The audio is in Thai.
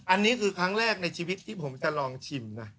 อันนี้คือครั้งแรกในชีวิตที่ผมจะลองชิมนะ